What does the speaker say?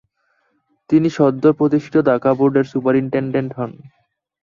তিনি সদ্য প্রতিষ্ঠিত ঢাকা বোর্ডের সুপারিন্টেনডেন্ট হন।